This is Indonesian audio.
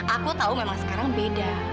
aku tahu memang sekarang beda